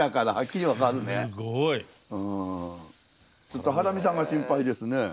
ちょっとハラミさんが心配ですね。